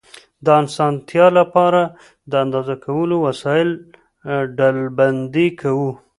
د اسانتیا له پاره، د اندازه کولو وسایل ډلبندي کوو.